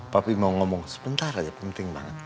tapi mau ngomong sebentar aja penting banget